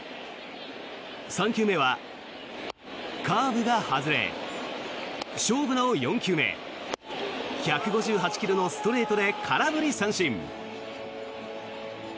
３球目はカーブが外れ勝負の４球目１５８ｋｍのストレートで空振り三振。